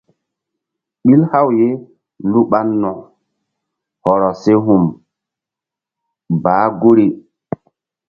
Ɓil haw ye lu ɓa nokk hɔrɔ se hum baah guri.